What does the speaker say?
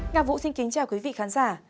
nga vũ xin kính chào quý vị khán giả